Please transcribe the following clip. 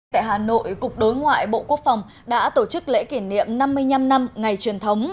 tại hà nội cục đối ngoại bộ quốc phòng đã tổ chức lễ kỷ niệm năm mươi năm năm ngày truyền thống